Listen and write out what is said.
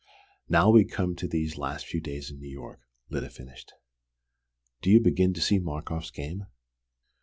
"Now, we come to these last few weeks in New York," Lyda finished. "Do you begin to see Markoff's game?"